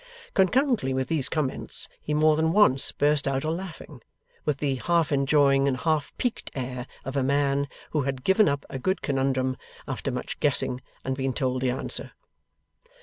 Concurrently with these comments, he more than once burst out a laughing, with the half enjoying and half piqued air of a man, who had given up a good conundrum, after much guessing, and been told the answer.